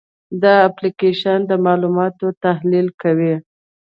دا اپلیکیشن د معلوماتو تحلیل کوي.